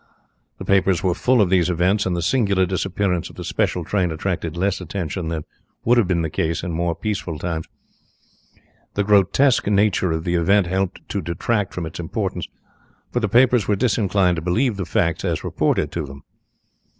The papers were full of these events, and the singular disappearance of the special train attracted less attention than would have been the case in more peaceful times. The grotesque nature of the event helped to detract from its importance, for the papers were disinclined to believe the facts as reported to them.